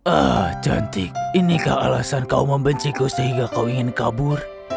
ah cantik inikah alasan kau membenciku sehingga kau ingin kabur